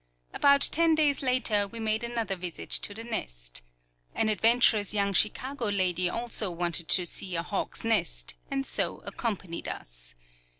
About ten days later we made another visit to the nest. An adventurous young Chicago lady also wanted to see a hawk's nest, and so accompanied us.